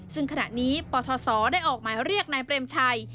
ซึ่งขณะนี้ปศได้ออกหมายเรียกนายเปรมชัย